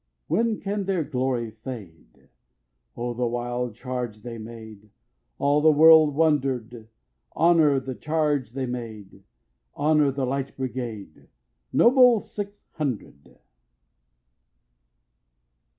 6. When can their glory fade? O the wild charge they made! All the world wonder'd. Honour the charge they made! Honour the Light Brigade, Noble six hundred!